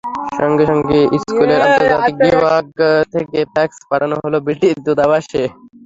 সঙ্গে সঙ্গে স্কুলের আন্তর্জাতিক বিভাগ থেকে ফ্যাক্স পাঠানো হলো ব্রিটিশ দূতাবাসে।